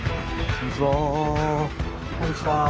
こんにちは。